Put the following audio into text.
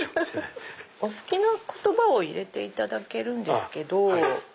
お好きな言葉を入れていただけるんですけど。